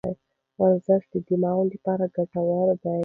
ورزش د دماغ لپاره ګټور دی.